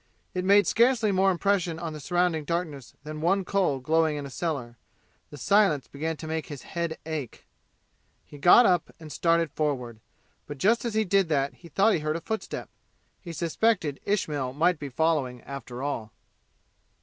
It made scarcely more impression on the surrounding darkness than one coal glowing in a cellar. The silence began to make his head ache. He got up and started forward, but just as he did that he thought he heard a footstep. He suspected Ismail might be following after all.